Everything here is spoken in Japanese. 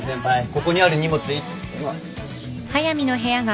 ここにある荷物いつ。